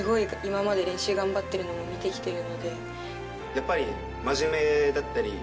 やっぱり。